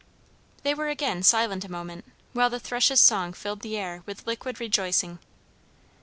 They were again silent a moment, while the thrush's song filled the air with liquid rejoicing.